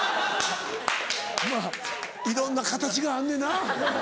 まぁいろんな形があんねんな。